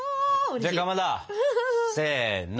じゃあかまどせの。